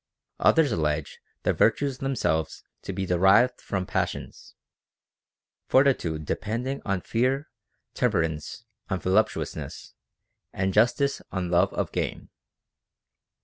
Others allege *he virtues themselves to be derived from passions ; fortitude depending on fear, temperance on voluptuousness, and justice on love of gain.